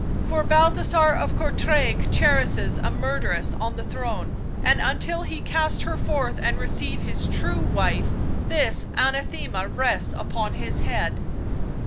" For Balthasar of Courtrai cherishes a murderess on the throne, and until he cast her forth and receive his true wife this anathema rests upon his head